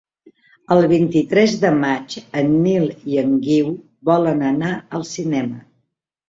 El vint-i-tres de maig en Nil i en Guiu volen anar al cinema.